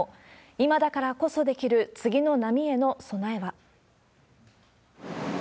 今だからこそできる、次の波への備えは。